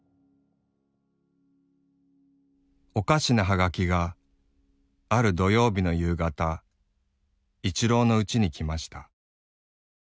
「おかしなはがきがある土曜日の夕がた一郎のうちにきました。